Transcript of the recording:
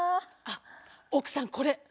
あっ奥さんこれ。